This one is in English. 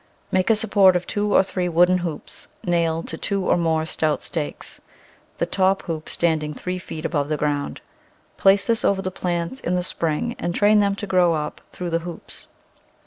Make a support of two or three wooden hoops nailed to two or more stout stakes, the top hoop standing three feet above the ground. Place this over the plants in the spring and train them to grow up through the hoops.